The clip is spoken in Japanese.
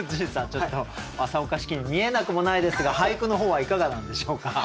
ちょっと正岡子規に見えなくもないですが俳句の方はいかがなんでしょうか？